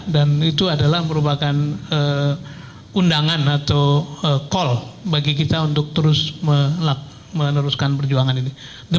dan itu adalah merupakan undangan atau call bagi kita untuk terus meneruskan perjuangan ini